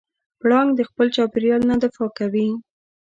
پړانګ د خپل چاپېریال نه دفاع کوي.